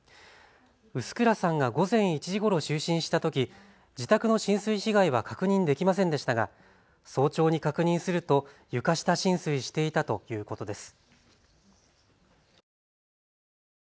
臼倉さんが午前１時ごろ就寝したとき自宅の浸水被害は確認できませんでしたが早朝に確認すると床下浸水していたということです。